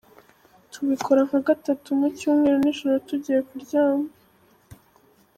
Tubikora nka gatatu mu cyumweru nijoro tugiye kuryama.